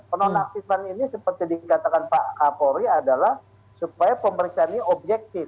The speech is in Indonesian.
penonaktifan ini seperti dikatakan pak kapolri adalah supaya pemeriksaan ini objektif